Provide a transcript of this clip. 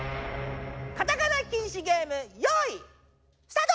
カタカナ禁止ゲーム用意スタート！